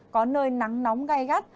có nơi nắng nóng gai gắt